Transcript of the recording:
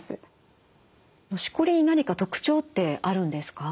しこりに何か特徴ってあるんですか？